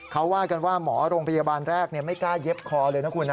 เขาว่ากันว่าหมอโรงพยาบาลแรกไม่กล้าเย็บคอเลยนะคุณนะ